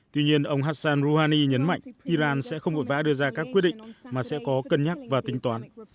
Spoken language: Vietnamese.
tuy nhiên ông hassan rouhani nhấn mạnh iran sẽ không vội vã đưa ra các quyết định mà sẽ có cân nhắc và tính toán